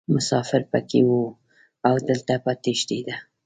مسافر پکې وو او دلته به تشیده.